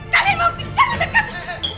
kalian tidak boleh dekat